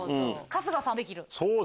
春日さん「できる」。